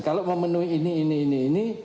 kalau memenuhi ini ini ini ini